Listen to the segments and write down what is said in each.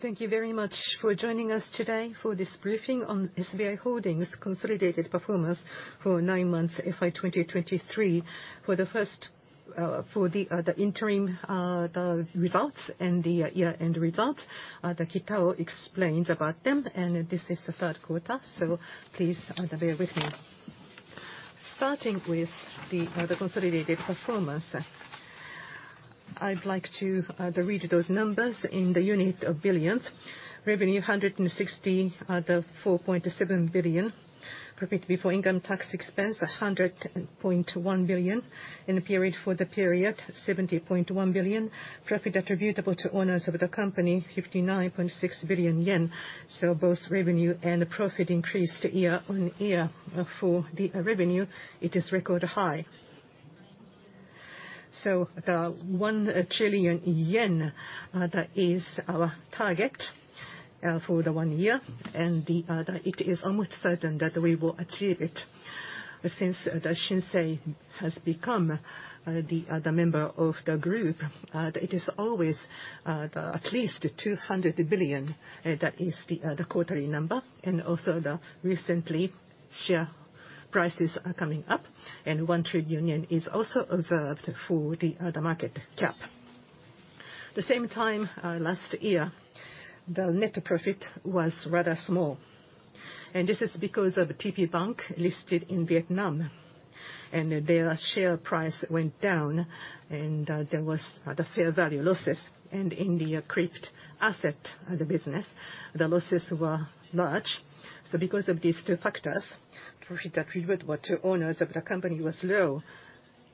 Thank you very much for joining us today for this briefing on SBI Holdings' consolidated performance for nine months, FY 2023. For the first, for the, the interim, the results and the year-end results, the Kitao explains about them, and this is the third quarter, so please, bear with me. Starting with the consolidated performance, I'd like to read those numbers in the unit of billions. Revenue, 164.7 billion. Profit before income tax expense, 100.1 billion. In the period, for the period, 70.1 billion. Profit attributable to owners of the company, 59.6 billion yen. So both revenue and profit increased year-on-year. For the revenue, it is record high. So the 1 trillion yen, that is our target, for the one year, and it is almost certain that we will achieve it. Since the Shinsei has become the member of the group, it is always at least 200 billion, that is the quarterly number, and also recently, share prices are coming up, and 1 trillion is also observed for the market cap. The same time last year, the net profit was rather small, and this is because of the TPBank listed in Vietnam, and their share price went down, and there was the fair value losses. And in the crypto asset business, the losses were large. So because of these two factors, profit attributable to owners of the company was low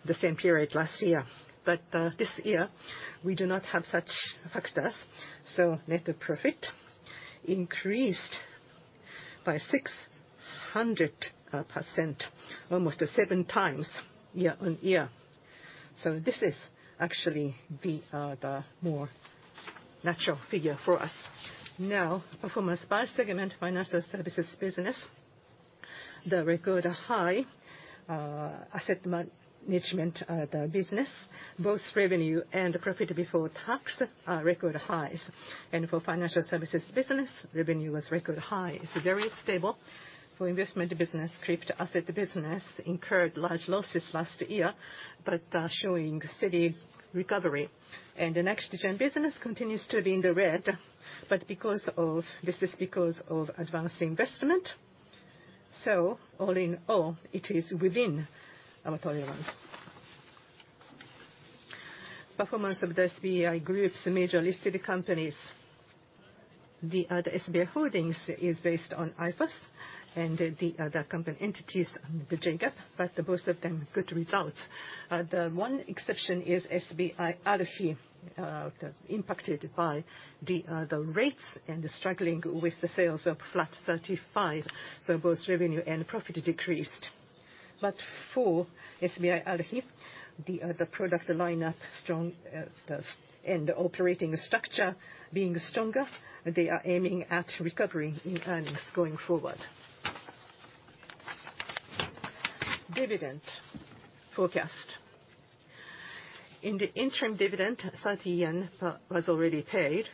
the same period last year. This year, we do not have such factors, so net profit increased by 600%, almost 7 times year-on-year. So this is actually the more natural figure for us. Now, performance by segment, Financial Services business, the record high, Asset Management business, both revenue and profit before tax are record highs. And for Financial Services business, revenue was record high. It's very stable. For investment business, crypto-asset business incurred large losses last year, but is showing steady recovery. And the next-gen business continues to be in the red, but this is because of advanced investment. So all in all, it is within our tolerance. Performance of the SBI Group's major listed companies. The SBI Holdings is based on IFRS, and the company entities on the J-GAAP, but both of them, good results. The one exception is SBI ARUHI, impacted by the rates and struggling with the sales of Flat 35, so both revenue and profit decreased. But for SBI ARUHI, the product lineup strong and operating structure being stronger, they are aiming at recovering in earnings going forward. Dividend forecast. In the interim dividend, 30 yen was already paid.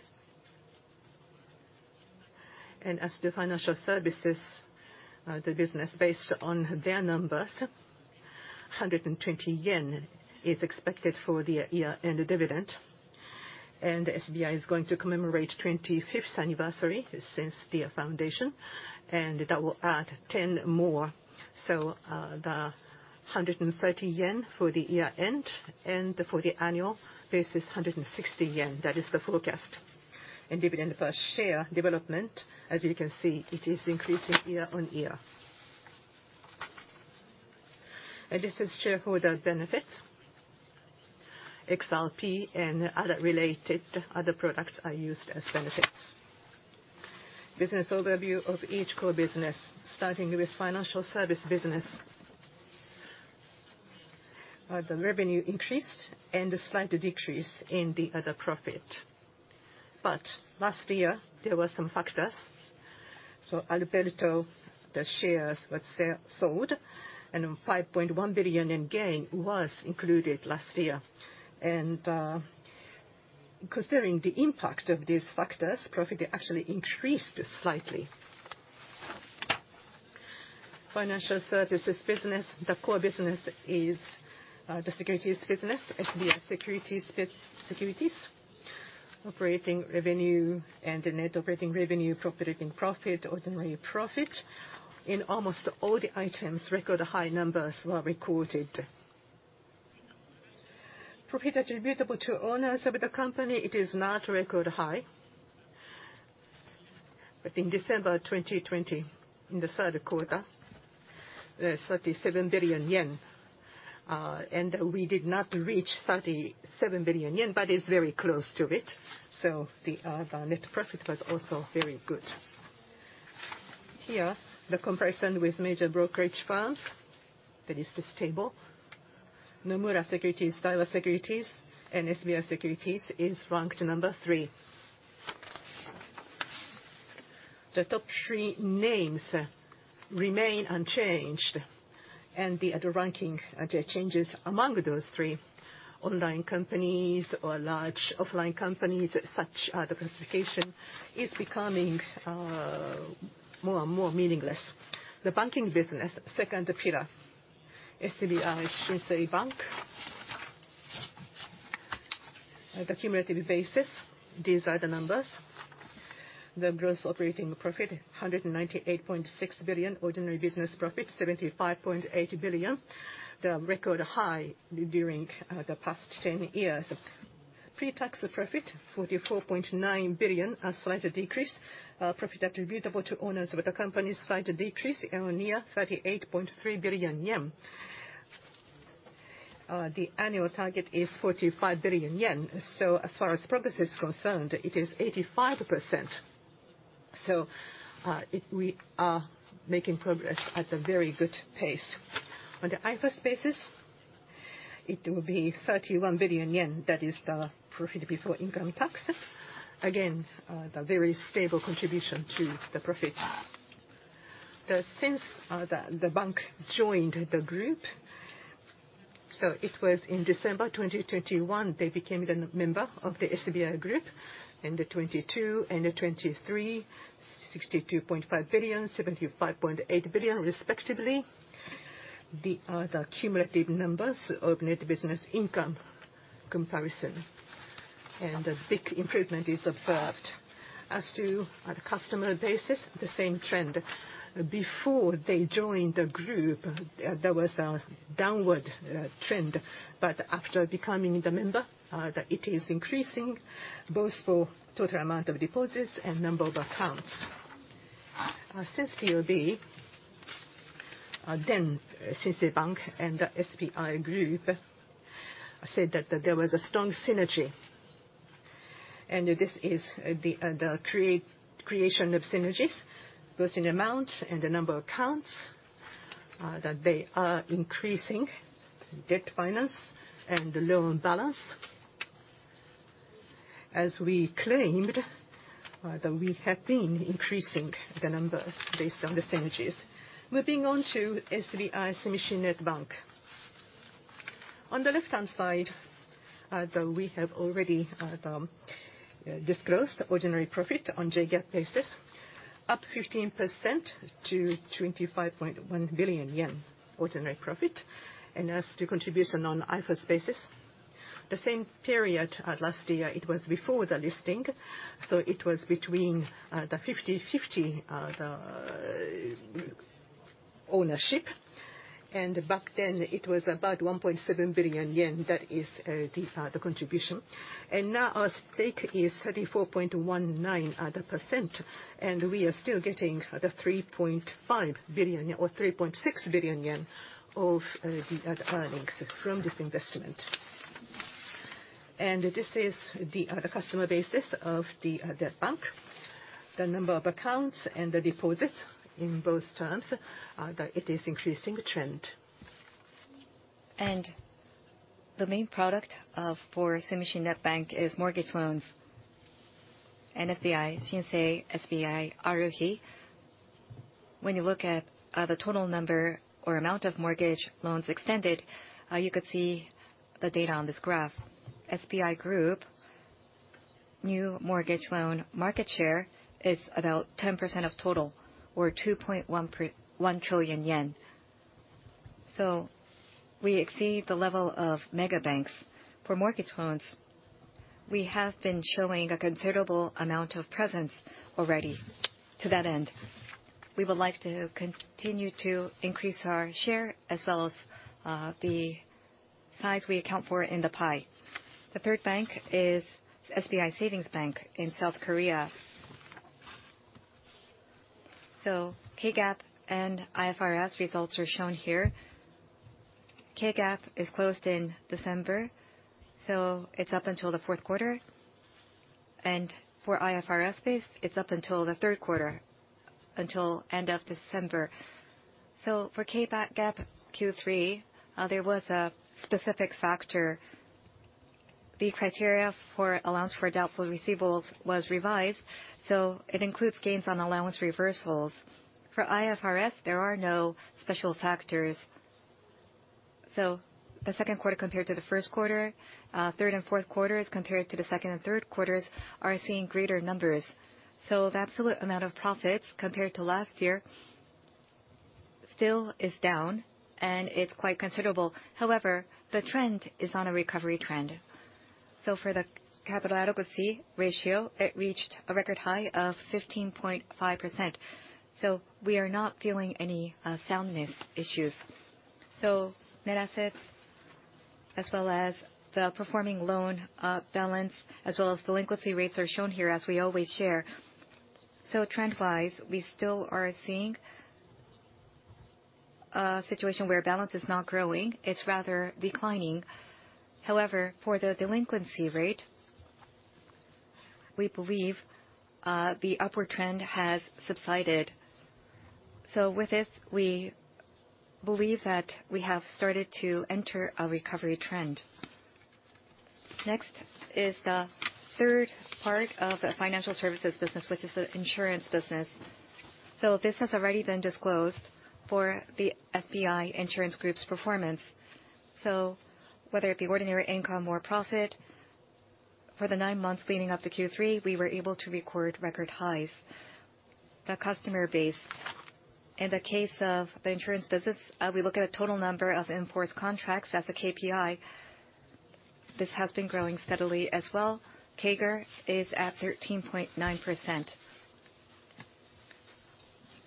And as the financial services, the business based on their numbers, 120 yen is expected for the year-end dividend. And SBI is going to commemorate 25th anniversary since the foundation, and that will add 10 more. So, the 130 yen for the year-end, and for the annual, this is 160 yen. That is the forecast. Dividend per share development, as you can see, it is increasing year on year. This is shareholder benefits. XRP and other related other products are used as benefits. Business overview of each core business, starting with financial service business. The revenue increased and a slight decrease in the other profit. But last year, there were some factors. For ALBERT, the shares were sold, and 5.1 billion in gain was included last year. Considering the impact of these factors, profit actually increased slightly. Financial services business, the core business is the securities business, SBI Securities. Operating revenue and the net operating revenue, operating profit, ordinary profit, in almost all the items, record high numbers were recorded. Profit attributable to owners of the company, it is not record high. But in December 2020, in the third quarter, 37 billion yen, and we did not reach 37 billion yen, but it's very close to it, so the net profit was also very good. Here, the comparison with major brokerage firms, that is this table. Nomura Securities, Daiwa Securities, and SBI Securities is ranked number 3. The top three names remain unchanged, and the other ranking, the changes among those three online companies or large offline companies, such, the classification is becoming more and more meaningless. The banking business, second pillar, SBI Shinsei Bank. At the cumulative basis, these are the numbers. The gross operating profit, 198.6 billion. Ordinary business profit, 75.8 billion, the record high during the past 10 years. Pre-tax profit, 44.9 billion, a slight decrease. Profit attributable to owners of the company, slight decrease, and near 38.3 billion yen. The annual target is 45 billion yen, so as far as progress is concerned, it is 85%. So, we are making progress at a very good pace. On the IFRS basis, it will be 31 billion yen, that is the profit before income tax. Again, the very stable contribution to the profit. Since the bank joined the group, so it was in December 2021, they became the member of the SBI Group, end of 2022, end of 2023, 62.5 billion, 75.8 billion respectively. These are the cumulative numbers of net business income comparison, and a big improvement is observed. As to on a customer basis, the same trend. Before they joined the group, there was a downward trend, but after becoming the member, it is increasing both for total amount of deposits and number of accounts. Since the TOB, then since the bank and the SBI Group said that, that there was a strong synergy, and this is the creation of synergies, both in amount and the number of accounts, that they are increasing debt finance and the loan balance. As we claimed, that we have been increasing the numbers based on the synergies. Moving on to SBI Sumishin Net Bank. On the left-hand side, we have already disclosed ordinary profit on J-GAAP basis, up 15% to 25.1 billion yen ordinary profit. As to contribution on IFRS basis, the same period last year, it was before the listing, so it was between the 50/50 ownership, and back then, it was about 1.7 billion yen, that is, the contribution. And now our stake is 34.19%, and we are still getting the 3.5 billion or 3.6 billion yen of the earnings from this investment. And this is the customer basis of that bank, the number of accounts and the deposits in both terms, it is increasing trend. The main product for Sumishin Net Bank is mortgage loans, and SBI Shinsei, SBI ARUHI. When you look at the total number or amount of mortgage loans extended, you could see the data on this graph. SBI Group new mortgage loan market share is about 10% of total or 2.1 trillion yen. So we exceed the level of mega banks. For mortgage loans, we have been showing a considerable amount of presence already. To that end, we would like to continue to increase our share as well as the size we account for in the pie. The third bank is SBI Savings Bank in South Korea. So K-GAAP and IFRS results are shown here. K-GAAP is closed in December, so it's up until the fourth quarter, and for IFRS basis, it's up until the third quarter, until end of December. For K-GAAP Q3, there was a specific factor. The criteria for allowance for doubtful receivables was revised, so it includes gains on allowance reversals. For IFRS, there are no special factors, so the second quarter compared to the first quarter, third and fourth quarters compared to the second and third quarters, are seeing greater numbers. The absolute amount of profits compared to last year still is down, and it's quite considerable. However, the trend is on a recovery trend. For the capital adequacy ratio, it reached a record high of 15.5%, so we are not feeling any soundness issues. Net assets, as well as the performing loan balance, as well as delinquency rates, are shown here as we always share. Trend-wise, we still are seeing a situation where balance is not growing. It's rather declining. However, for the delinquency rate, we believe, the upward trend has subsided. So with this, we believe that we have started to enter a recovery trend. Next is the third part of the financial services business, which is the insurance business. So this has already been disclosed for the SBI Insurance Group's performance. So whether it be ordinary income or profit, for the nine months leading up to Q3, we were able to record record highs. The customer base, in the case of the insurance business, we look at a total number of in-force contracts as a KPI. This has been growing steadily as well. CAGR is at 13.9%.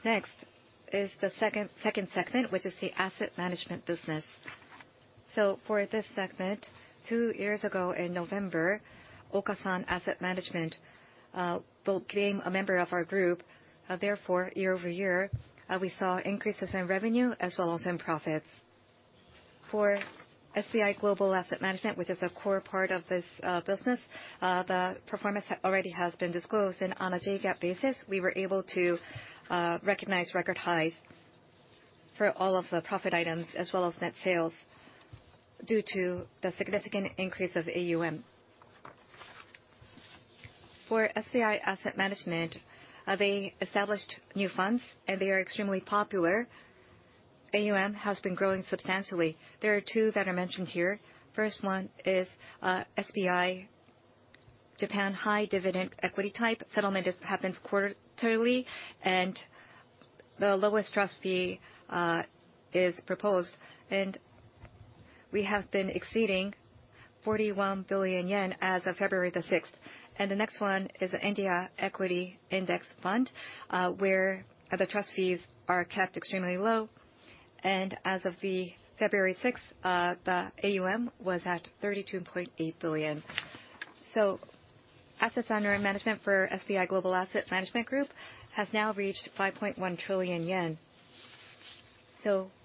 Next is the second, second segment, which is the asset management business. So for this segment, two years ago in November, Okasan Asset Management, became a member of our group. Therefore, year-over-year, we saw increases in revenue as well as in profits. For SBI Global Asset Management, which is a core part of this business, the performance already has been disclosed, and on a J-GAAP basis, we were able to recognize record highs for all of the profit items as well as net sales due to the significant increase of AUM. For SBI Asset Management, they established new funds, and they are extremely popular. AUM has been growing substantially. There are 2 that are mentioned here. First one is SBI Japan High Dividend Equity Type. Settlement happens quarterly, and the lowest trust fee is proposed, and we have been exceeding 41 billion yen as of February the 6th. The next one is the India Equity Index Fund, where the trust fees are kept extremely low, and as of February 6th, the AUM was at 32.8 billion. Assets under management for SBI Global Asset Management Group has now reached 5.1 trillion yen.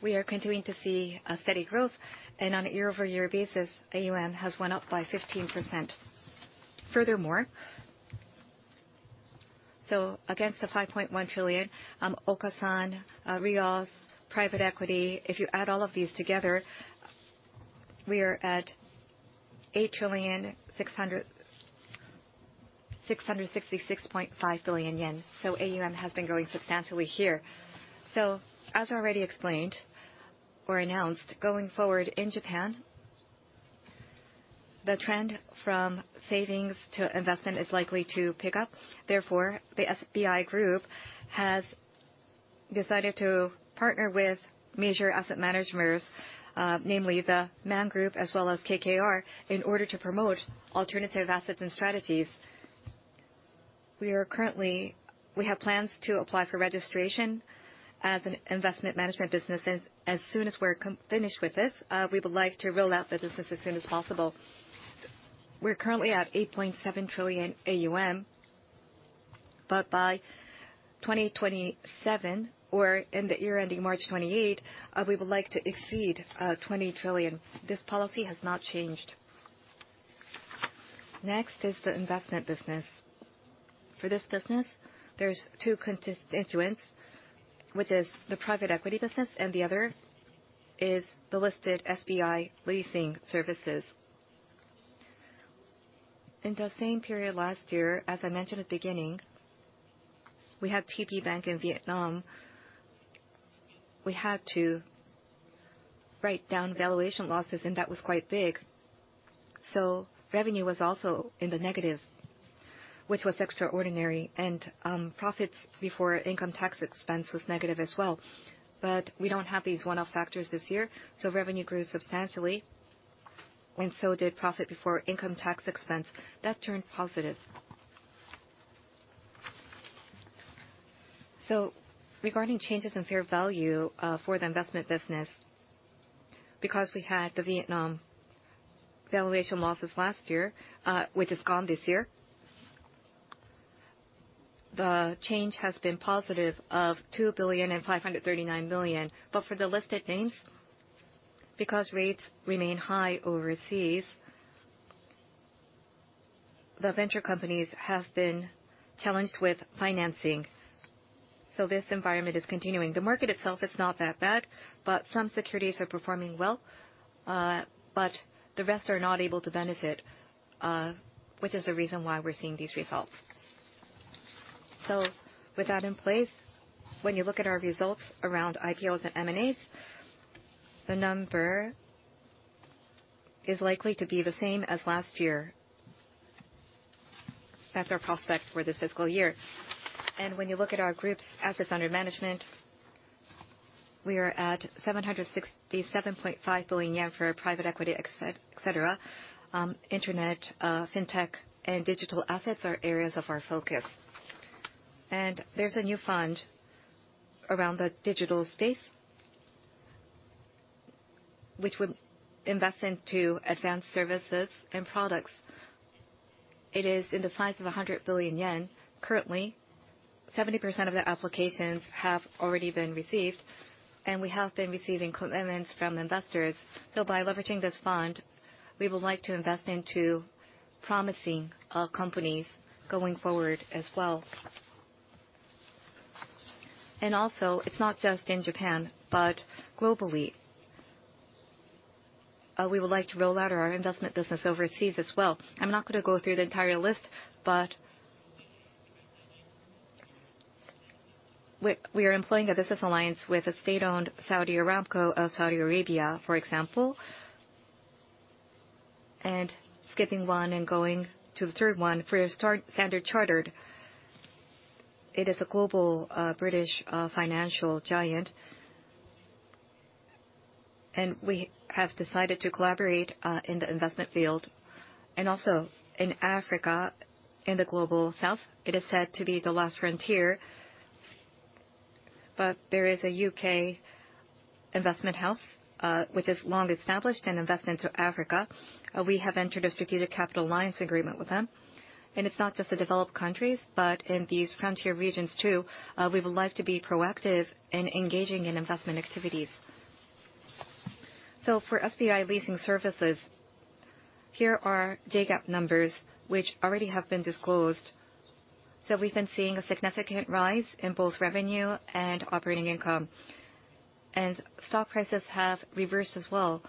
We are continuing to see a steady growth, and on a year-over-year basis, AUM has went up by 15%. Furthermore, against the five point one trillion, Okasan, REITs, private equity, if you add all of these together, we are at 8,666.5 billion yen. AUM has been growing substantially here. As already explained or announced, going forward in Japan, the trend from savings to investment is likely to pick up. Therefore, the SBI Group has decided to partner with major asset managers, namely the Man Group as well as KKR, in order to promote alternative assets and strategies. We have plans to apply for registration as an investment management business, and as soon as we're finished with this, we would like to roll out the business as soon as possible. We're currently at 8.7 trillion AUM, but by 2027 or in the year ending March 2028, we would like to exceed 20 trillion. This policy has not changed. Next is the investment business. For this business, there's two constituents, which is the private equity business, and the other is the listed SBI Leasing Services. In the same period last year, as I mentioned at the beginning, we had TPBank in Vietnam. We had to write down valuation losses, and that was quite big. So revenue was also in the negative, which was extraordinary, and profits before income tax expense was negative as well. But we don't have these one-off factors this year, so revenue grew substantially, and so did profit before income tax expense. That turned positive. So regarding changes in fair value, for the investment business, because we had the Vietnam valuation losses last year, which is gone this year, the change has been positive of 2,539 million. But for the listed names, because rates remain high overseas, the venture companies have been challenged with financing, so this environment is continuing. The market itself is not that bad, but some securities are performing well, but the rest are not able to benefit, which is the reason why we're seeing these results. So with that in place, when you look at our results around IPOs and M&As, the number is likely to be the same as last year. That's our prospect for this fiscal year. And when you look at our group's assets under management, we are at 767.5 billion yen for private equity, et cetera. Internet, fintech, and digital assets are areas of our focus. And there's a new fund around the digital space, which would invest into advanced services and products. It is in the size of 100 billion yen. Currently, 70% of the applications have already been received, and we have been receiving commitments from investors. So by leveraging this fund, we would like to invest into promising companies going forward as well. Also, it's not just in Japan, but globally, we would like to roll out our investment business overseas as well. I'm not gonna go through the entire list, but we are employing a business alliance with a state-owned Saudi Aramco of Saudi Arabia, for example. Skipping one and going to the third one, for Standard Chartered, it is a global British financial giant, and we have decided to collaborate in the investment field. Also in Africa, in the Global South, it is said to be the last frontier, but there is a UK investment house which is long established in investment to Africa. We have entered a strategic capital alliance agreement with them. It's not just the developed countries, but in these frontier regions, too, we would like to be proactive in engaging in investment activities. For SBI Leasing Services, here are J-GAAP numbers which already have been disclosed. We've been seeing a significant rise in both revenue and operating income, and stock prices have reversed as well,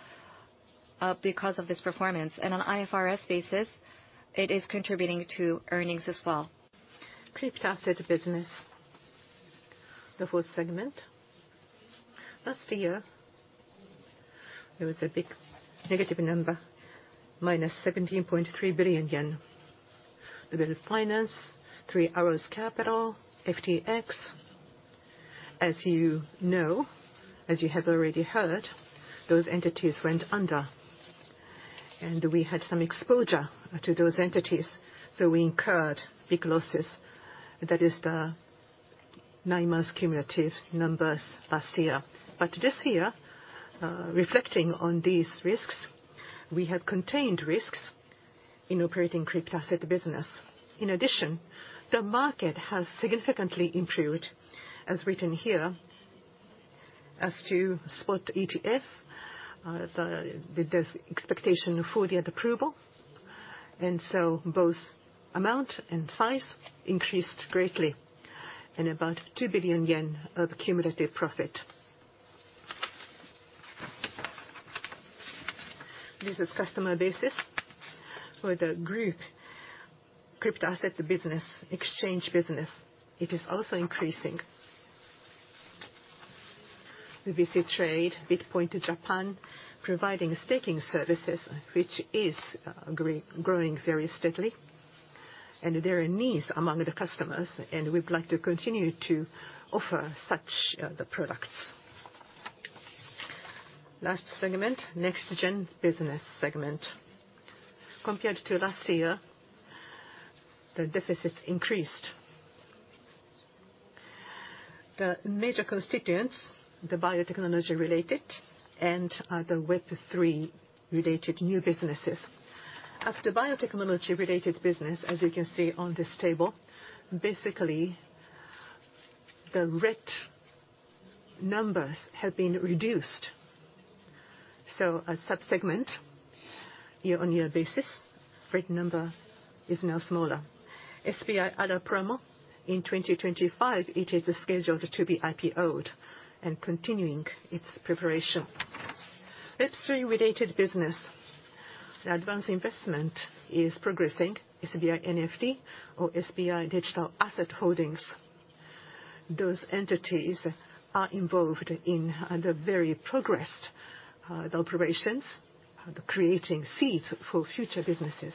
because of this performance. On IFRS basis, it is contributing to earnings as well. Crypto Asset Business, the fourth segment. Last year, there was a big negative number, -JPY 17.3 billion. The BitFlyer, Three Arrows Capital, FTX, as you know, as you have already heard, those entities went under, and we had some exposure to those entities, so we incurred big losses. That is the nine months cumulative numbers last year. But this year, reflecting on these risks, we have contained risks in operating crypto asset business. In addition, the market has significantly improved, as written here, as to Spot ETF, the, there's expectation for the approval, and so both amount and size increased greatly, and about 2 billion yen of cumulative profit. This is customer basis for the group crypto asset business, exchange business. It is also increasing. The BitTrade, BitPoint Japan, providing staking services, which is growing very steadily, and there are needs among the customers, and we'd like to continue to offer such, the products. Last segment, NextGen Business segment. Compared to last year, the deficits increased. The major constituents, the biotechnology related and the Web3 related new businesses. As the biotechnology related business, as you can see on this table, basically, the red numbers have been reduced. So as sub-segment, year-on-year basis, red number is now smaller. SBI ALApromo, in 2025, it is scheduled to be IPO'd and continuing its preparation. Web3 related business, the advance investment is progressing, SBI NFT or SBI Digital Asset Holdings. Those entities are involved in and have very progressed, the operations, creating seeds for future businesses.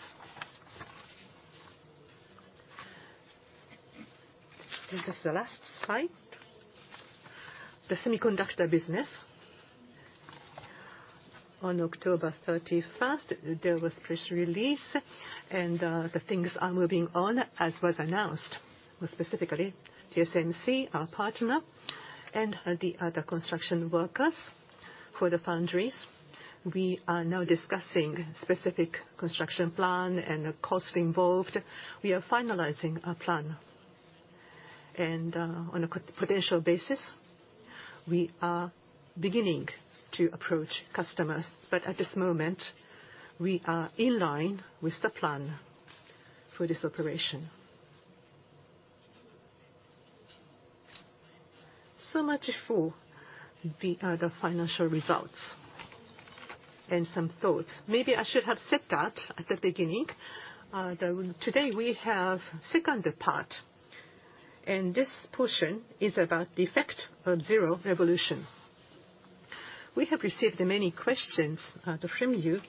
This is the last slide. The semiconductor business. On October 31st, there was a press release, and the things are moving on as was announced. More specifically, TSMC, our partner, and the other construction workers for the foundries. We are now discussing specific construction plan and the cost involved. We are finalizing a plan. On a potential basis, we are beginning to approach customers, but at this moment, we are in line with the plan for this operation. So much for the financial results and some thoughts. Maybe I should have said that at the beginning, that today we have second part, and this portion is about the effect of Zero Revolution. We have received many questions from you,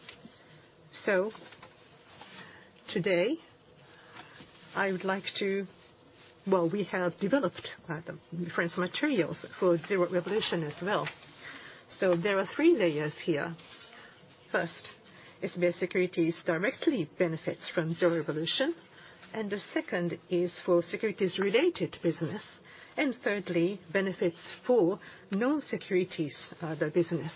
so today, I would like to... Well, we have developed the reference materials for Zero Revolution as well. So there are three layers here. First, is their securities directly benefits from Zero Revolution, and the second is for securities-related business, and thirdly, benefits for non-securities, the business.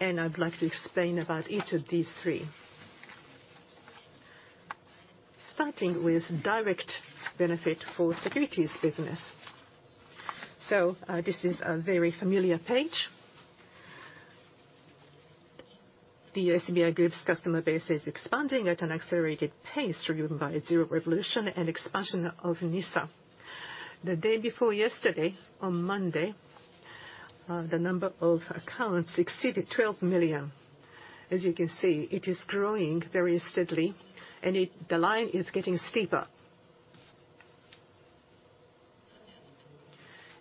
I'd like to explain about each of these three. Starting with direct benefit for securities business. So, this is a very familiar page. The SBI Group's customer base is expanding at an accelerated pace, driven by Zero Revolution and expansion of NISA. The day before yesterday, on Monday, the number of accounts exceeded 12 million. As you can see, it is growing very steadily, and the line is getting steeper.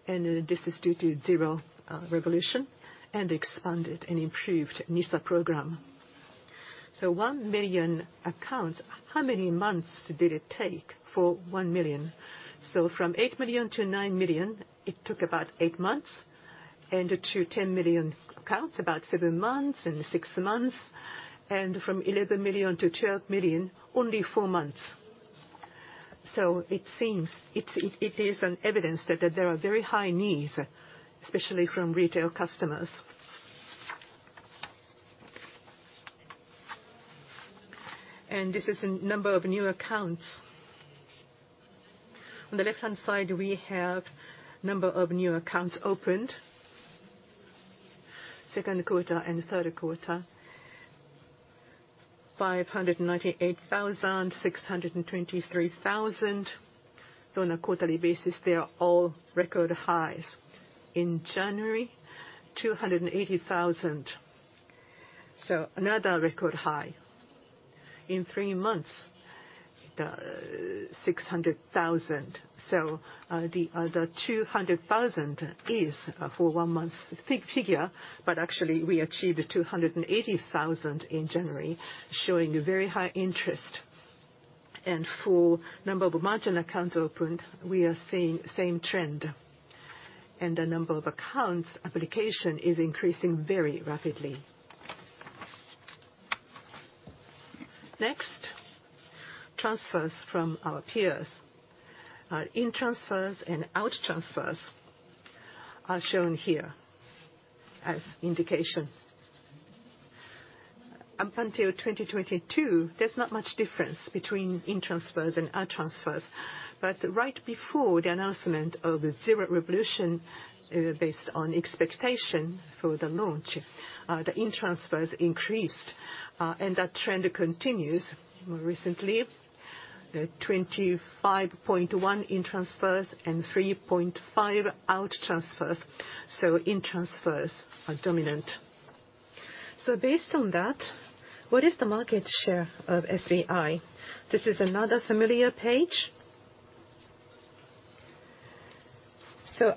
This is due to Zero Revolution and expanded and improved NISA program. So 1 million accounts, how many months did it take for 1 million? So from 8 million to 9 million, it took about 8 months, and to 10 million accounts, about 7 months and 6 months, and from 11 million to 12 million, only 4 months. So it seems, it is an evidence that there are very high needs, especially from retail customers. And this is the number of new accounts. On the left-hand side, we have number of new accounts opened, second quarter and third quarter, 598 thousand, 623 thousand. So on a quarterly basis, they are all record highs. In January, 280 thousand, so another record high. In three months, the 600 thousand, so the 200 thousand is for one month's figure, but actually, we achieved 280 thousand in January, showing a very high interest. For number of margin accounts opened, we are seeing same trend, and the number of accounts application is increasing very rapidly. Next, transfers from our peers. In-transfers and out-transfers are shown here as indication. Up until 2022, there's not much difference between in-transfers and out-transfers, but right before the announcement of Zero Revolution, based on expectation for the launch, the in-transfers increased, and that trend continues more recently, 25.1 in-transfers and 3.5 out-transfers, so in-transfers are dominant. Based on that, what is the market share of SBI? This is another familiar page.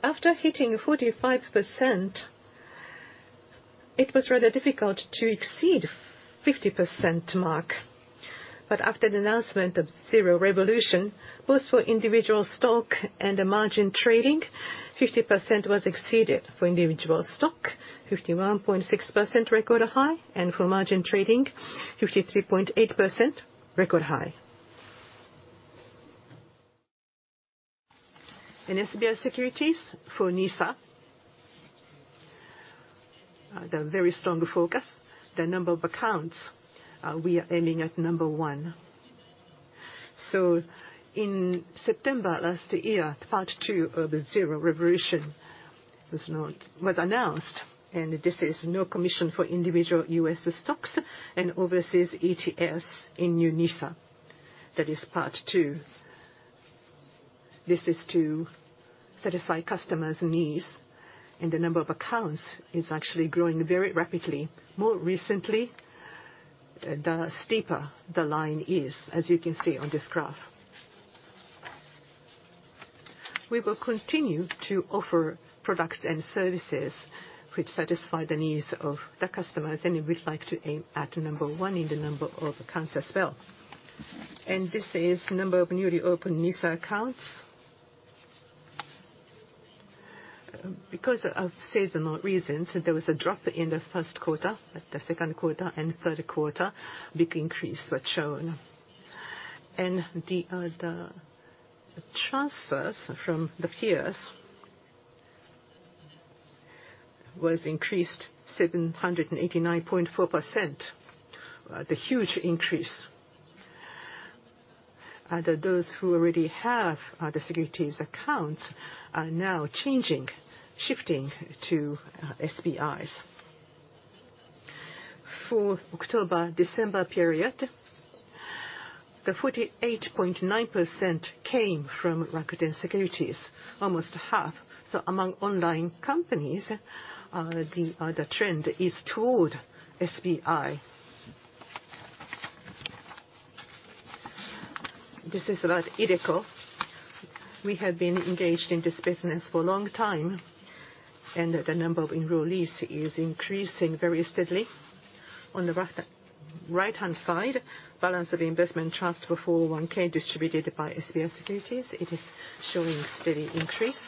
After hitting 45%, it was rather difficult to exceed 50% mark. But after the announcement of Zero Revolution, both for individual stock and the margin trading, 50% was exceeded. For individual stock, 51.6% record high, and for margin trading, 53.8% record high. In SBI Securities for NISA, the very strong focus, the number of accounts, we are aiming at number one. So in September last year, part two of the ZERO Revolution was announced, and this is no commission for individual U.S. stocks and overseas ETFs in new NISA. That is part two. This is to satisfy customers' needs, and the number of accounts is actually growing very rapidly. More recently, the steeper the line is, as you can see on this graph. We will continue to offer products and services which satisfy the needs of the customers, and we'd like to aim at number one in the number of accounts as well. And this is number of newly opened NISA accounts. Because of seasonal reasons, there was a drop in the first quarter, but the second quarter and third quarter, big increase was shown. The transfers from the peers increased 789.4%, the huge increase. Those who already have the securities accounts are now changing, shifting to SBIs. For October-December period, 48.9% came from Rakuten Securities, almost half. So among online companies, the trend is toward SBI. This is about iDeCo. We have been engaged in this business for a long time, and the number of enrollees is increasing very steadily. On the right-hand side, balance of investment trust for 401(k) distributed by SBI Securities, it is showing steady increase.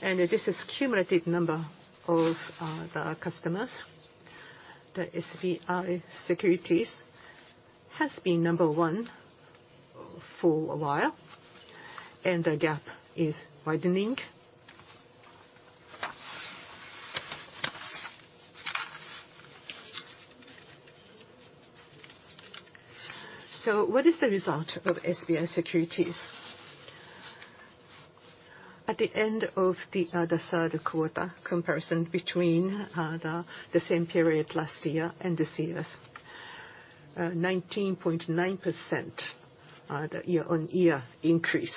This is cumulative number of the customers. The SBI Securities has been number one for a while, and the gap is widening. So what is the result of SBI Securities? At the end of the third quarter comparison between the same period last year and this year's 19.9% year-on-year increase.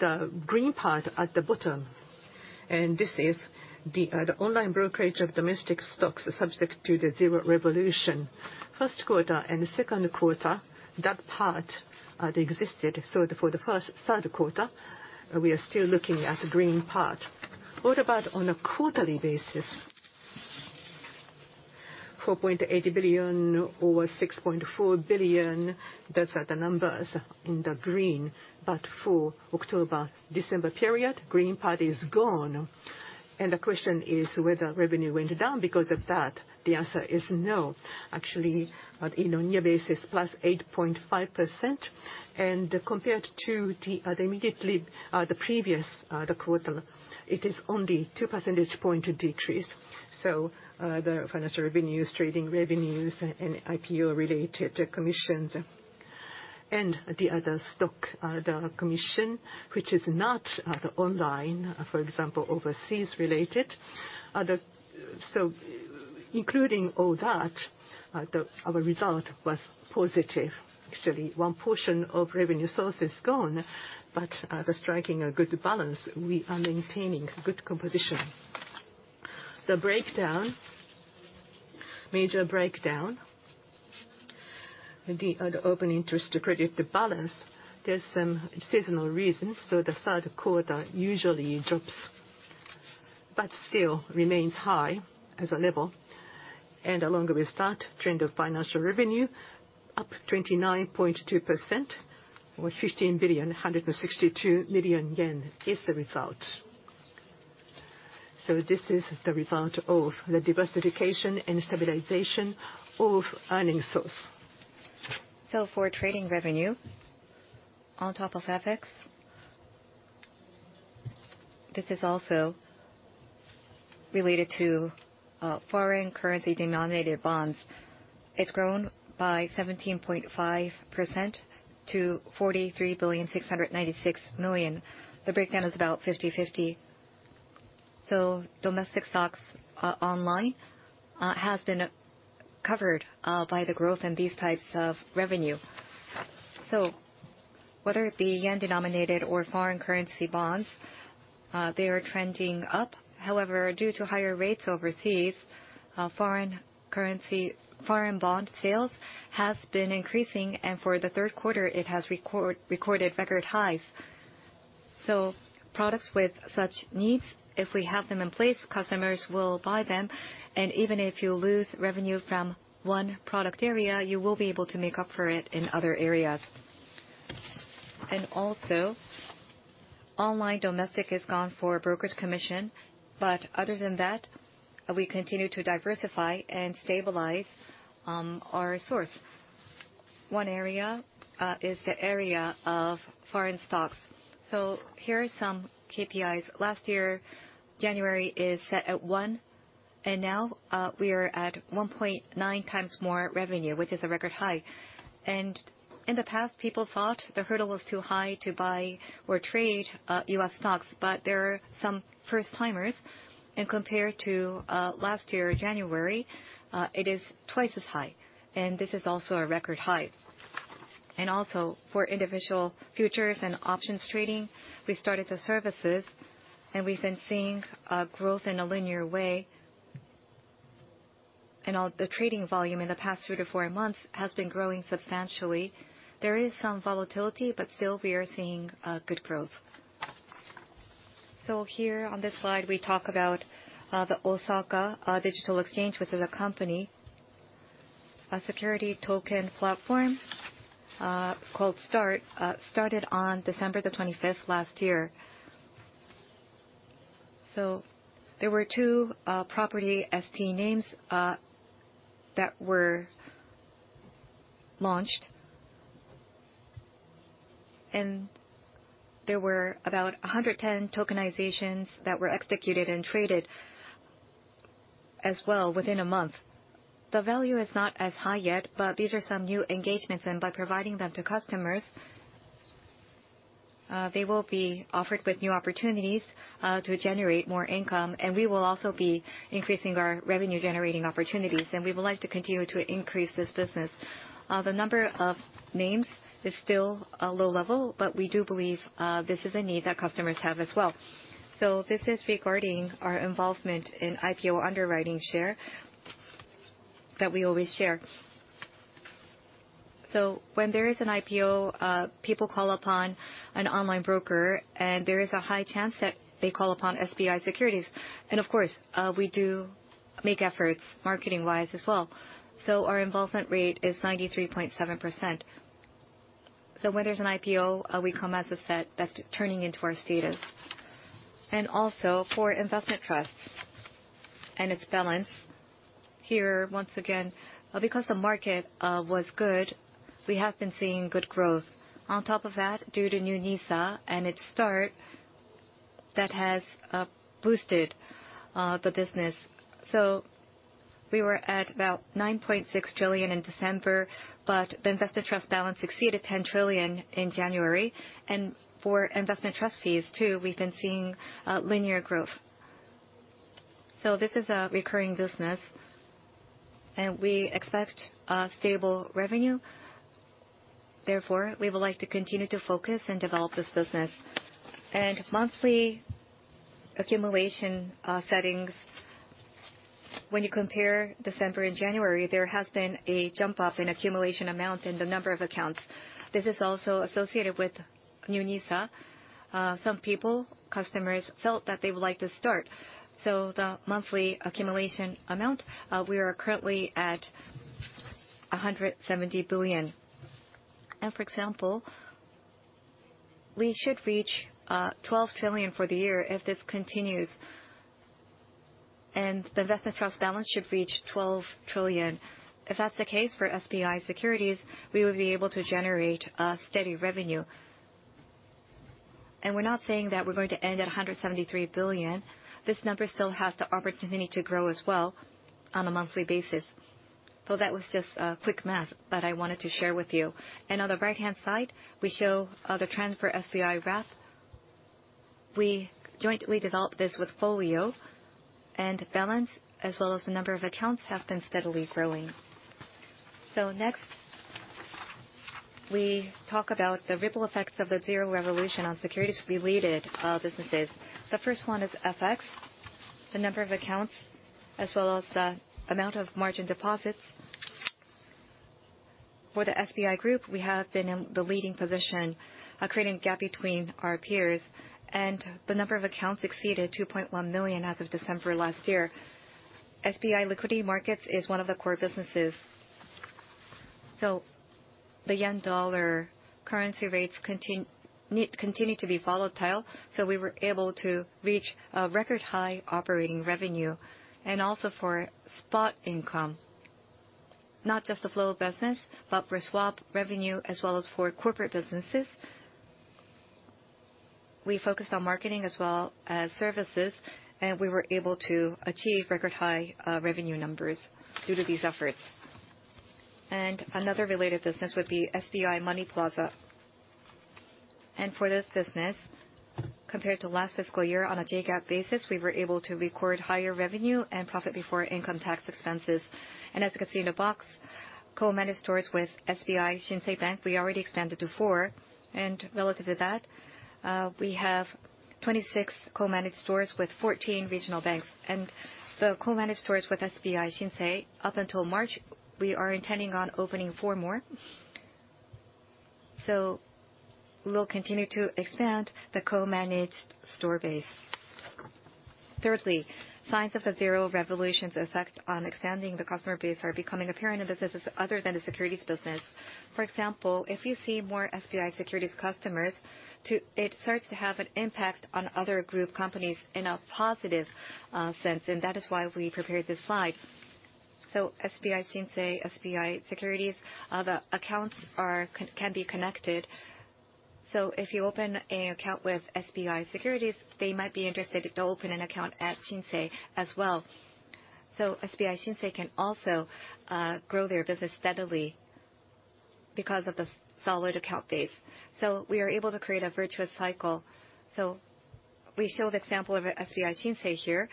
The green part at the bottom, and this is the online brokerage of domestic stocks subject to the Zero Revolution. First quarter and the second quarter, that part, they existed. So, for the first, third quarter, we are still looking at the green part. What about on a quarterly basis? 4.8 billion over 6.4 billion, those are the numbers in the green. But for October-December period, green part is gone, and the question is whether revenue went down because of that. The answer is no. Actually, in a year basis, +8.5%, and compared to the immediately previous quarter, it is only two percentage point decrease. So, the financial revenues, trading revenues, and IPO-related commissions, and the other stock commission, which is not the online, for example, overseas related. So including all that, our result was positive. Actually, one portion of revenue source is gone, but striking a good balance, we are maintaining good composition. The breakdown, major breakdown, the open interest to credit the balance, there's some seasonal reasons, so the third quarter usually drops, but still remains high as a level. And along with that, trend of financial revenue, up 29.2% or 15.162 billion is the result. This is the result of the diversification and stabilization of earnings sources. So for trading revenue, on top of FX, this is also related to foreign currency-denominated bonds. It's grown by 17.5% to 43.696 billion. The breakdown is about 50/50. So domestic stocks online has been covered by the growth in these types of revenue. So whether it be yen-denominated or foreign currency bonds, they are trending up. However, due to higher rates overseas, foreign currency foreign bond sales has been increasing, and for the third quarter, it has recorded record highs. So products with such needs, if we have them in place, customers will buy them, and even if you lose revenue from one product area, you will be able to make up for it in other areas. Also, online domestic is gone for brokerage commission, but other than that, we continue to diversify and stabilize our source. One area is the area of foreign stocks. So here are some KPIs. Last year, January is set at 1, and now we are at 1.9 times more revenue, which is a record high. In the past, people thought the hurdle was too high to buy or trade U.S. stocks, but there are some first-timers, and compared to last year, January, it is twice as high, and this is also a record high. Also, for individual futures and options trading, we started the services, and we've been seeing growth in a linear way. All the trading volume in the past 3-4 months has been growing substantially. There is some volatility, but still we are seeing good growth. So here on this slide, we talk about the Osaka Digital Exchange, which is a company, a security token platform called START, started on December 25 last year. So there were two property ST names that were launched. And there were about 110 tokenizations that were executed and traded as well within a month. The value is not as high yet, but these are some new engagements, and by providing them to customers, they will be offered with new opportunities to generate more income, and we will also be increasing our revenue-generating opportunities, and we would like to continue to increase this business. The number of names is still a low level, but we do believe this is a need that customers have as well. So this is regarding our involvement in IPO underwriting share that we always share. So when there is an IPO, people call upon an online broker, and there is a high chance that they call upon SBI Securities. And of course, we do make efforts marketing-wise as well. So our involvement rate is 93.7%. So when there's an IPO, we come as a set that's turning into our status. And also for investment trusts and its balance, here, once again, because the market was good, we have been seeing good growth. On top of that, due to new NISA and its start that has boosted the business. So we were at about 9.6 trillion in December, but the investment trust balance exceeded 10 trillion in January, and for investment trust fees, too, we've been seeing linear growth. So this is a recurring business, and we expect a stable revenue. Therefore, we would like to continue to focus and develop this business. Monthly accumulation settings, when you compare December and January, there has been a jump up in accumulation amount in the number of accounts. This is also associated with new NISA. Some people, customers, felt that they would like to start, so the monthly accumulation amount we are currently at 170 billion. For example, we should reach 12 trillion for the year if this continues, and the investment trust balance should reach 12 trillion. If that's the case for SBI Securities, we will be able to generate a steady revenue. And we're not saying that we're going to end at 173 billion. This number still has the opportunity to grow as well on a monthly basis. So that was just, quick math that I wanted to share with you. And on the right-hand side, we show, the trend for SBI Wrap. We jointly developed this with FOLIO, and balance, as well as the number of accounts, have been steadily growing. So next, we talk about the ripple effects of the Zero Revolution on securities-related, businesses. The first one is FX, the number of accounts, as well as the amount of margin deposits. For the SBI Group, we have been in the leading position, creating a gap between our peers, and the number of accounts exceeded 2.1 million as of December last year. SBI Liquidity Markets is one of the core businesses, so the yen-dollar currency rates continue to be volatile, so we were able to reach a record high operating revenue. Also for spot income, not just the flow of business, but for swap revenue as well as for corporate businesses. We focused on marketing as well as services, and we were able to achieve record high revenue numbers due to these efforts. Another related business would be SBI Money Plaza. For this business, compared to last fiscal year, on a J-GAAP basis, we were able to record higher revenue and profit before income tax expenses. As you can see in the box, co-managed stores with SBI Shinsei Bank, we already expanded to 4, and relative to that, we have 26 co-managed stores with 14 regional banks. And the co-managed stores with SBI Shinsei, up until March, we are intending on opening 4 more. So we'll continue to expand the co-managed store base. Thirdly, signs of the Zero Revolution's effect on expanding the customer base are becoming apparent in businesses other than the securities business. For example, if you see more SBI Securities customers too, it starts to have an impact on other group companies in a positive sense, and that is why we prepared this slide. So SBI Shinsei, SBI Securities, the accounts can be connected. So if you open an account with SBI Securities, they might be interested to open an account at Shinsei as well. So SBI Shinsei can also grow their business steadily because of the solid account base, so we are able to create a virtuous cycle. So we show the example of SBI Shinsei here,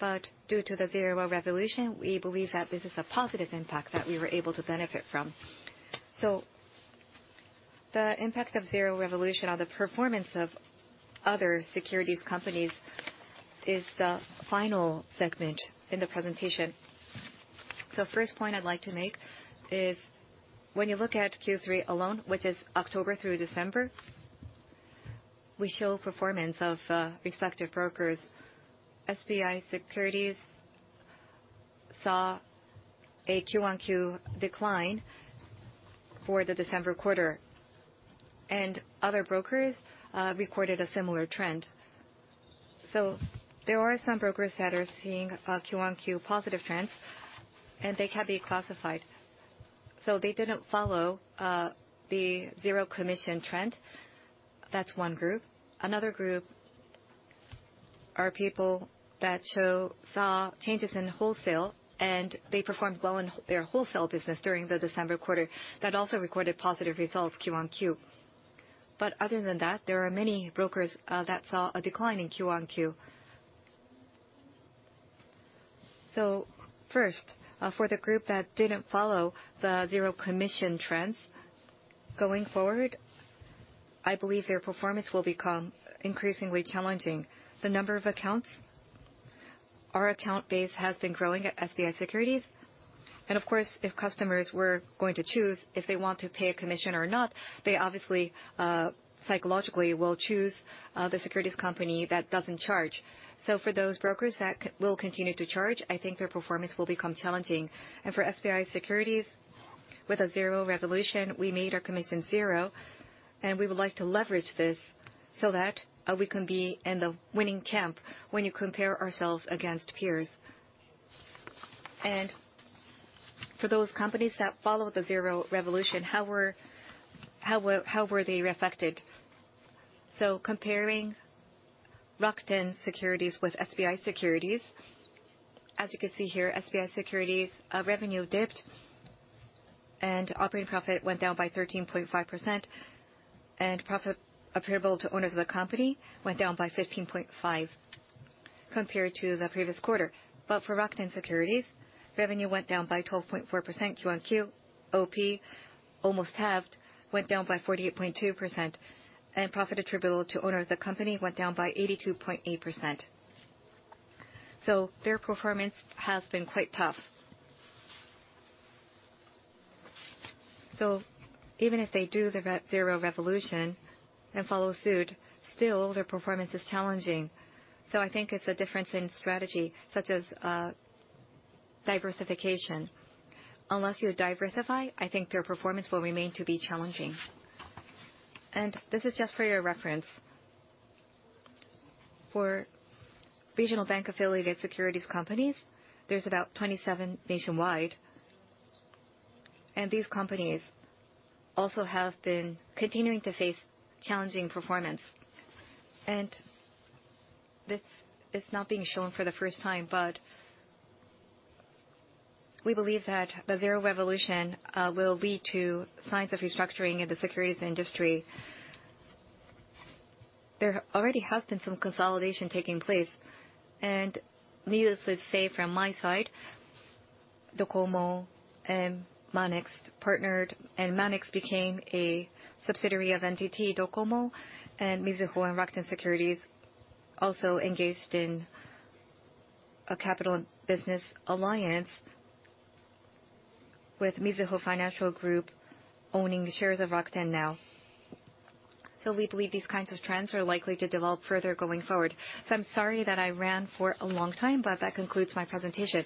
but due to the Zero Revolution, we believe that this is a positive impact that we were able to benefit from. So the impact of Zero Revolution on the performance of other securities companies is the final segment in the presentation. The first point I'd like to make is when you look at Q3 alone, which is October through December, we show performance of respective brokers. SBI Securities saw a Q-on-Q decline for the December quarter, and other brokers recorded a similar trend. So there are some brokers that are seeing Q-on-Q positive trends, and they can be classified. So they didn't follow the zero commission trend. That's one group. Another group are people that saw changes in wholesale, and they performed well in their wholesale business during the December quarter that also recorded positive results Q-on-Q. But other than that, there are many brokers that saw a decline in Q-on-Q. So first, for the group that didn't follow the zero commission trends, going forward, I believe their performance will become increasingly challenging. The number of accounts, our account base has been growing at SBI Securities, and of course, if customers were going to choose if they want to pay a commission or not, they obviously psychologically will choose the securities company that doesn't charge. So for those brokers that will continue to charge, I think their performance will become challenging. For SBI Securities, with a Zero Revolution, we made our commission zero, and we would like to leverage this so that we can be in the winning camp when you compare ourselves against peers. For those companies that follow the zero revolution, how were they reflected? So comparing Rakuten Securities with SBI Securities, as you can see here, SBI Securities revenue dipped and operating profit went down by 13.5%, and profit attributable to owners of the company went down by 15.5% compared to the previous quarter. But for Rakuten Securities, revenue went down by 12.4% Q on Q. OP almost halved, went down by 48.2%, and profit attributable to owner of the company went down by 82.8%. So their performance has been quite tough. So even if they do the Zero Revolution and follow suit, still their performance is challenging. So I think it's a difference in strategy, such as, diversification. Unless you diversify, I think their performance will remain to be challenging. And this is just for your reference. For regional bank-affiliated securities companies, there's about 27 nationwide, and these companies also have been continuing to face challenging performance. And this is not being shown for the first time, but we believe that the Zero Revolution will lead to signs of restructuring in the securities industry. There already has been some consolidation taking place, and needless to say, from my side, Docomo and Monex partnered, and Monex became a subsidiary of NTT Docomo, and Mizuho and Rakuten Securities also engaged in a capital business alliance, with Mizuho Financial Group owning the shares of Rakuten now. We believe these kinds of trends are likely to develop further going forward. I'm sorry that I ran for a long time, but that concludes my presentation.